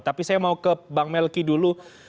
tapi saya mau ke bang melki dulu